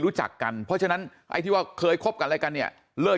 รู้จักกันเพราะฉะนั้นไอ้ที่ว่าเคยคบกันอะไรกันเนี่ยเลิก